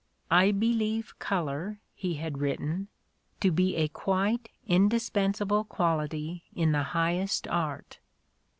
I believe colour," he had written, to be a quite indis pensable quahty in the highest art.